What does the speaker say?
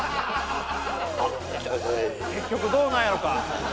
結局どうなんやろか？